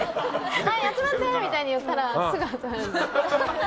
はい集まって！みたいに言ったらすぐ集まるんで。